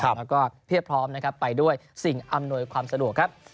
แล้วก็เพียบพร้อมนะครับไปด้วยสิ่งอำนวยความสะดวกครับ